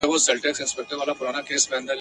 سړي وویل جنت ته به زه ځمه ..